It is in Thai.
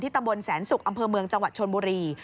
ตำบลแสนศุกร์อำเภอเมืองจังหวัดชนบุรี